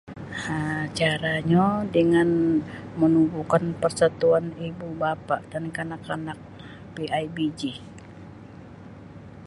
um Caranyo dangan menubuhkan persatuan ibu-bapa dan kanak-kanak PIBG.